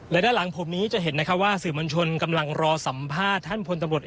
และด้านหลังผมนี้จะเห็นนะคะว่าสื่อมัญชนกำลังรอสัมภาษณ์